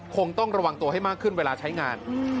คงต้องระวังตัวให้มากขึ้นเวลาใช้งาน